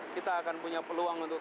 kita akan punya peluang untuk